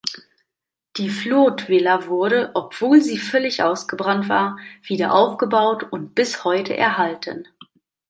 Die Flood-Villa wurde, obwohl sie völlig ausgebrannt war, wieder aufgebaut und bis heute erhalten.